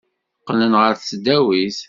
Qqlen ɣer tesdawit.